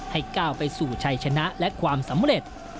ก้าวไปสู่ชัยชนะและความสำเร็จ